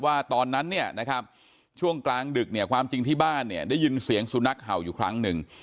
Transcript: ตอนนั้นเนี่ยนะครับช่วงกลางดึกเนี่ยความจริงที่บ้านเนี่ยได้ยินเสียงสุนัขเห่าอยู่ครั้งหนึ่ง